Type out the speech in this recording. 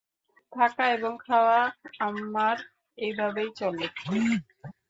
থাকা এবং খাওয়া আমার এইভাবেই চলে।